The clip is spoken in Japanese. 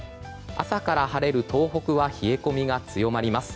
朝から晴れる東北は冷え込みが強まります。